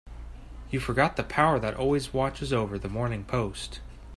You forget the power that always watches over the Morning Post.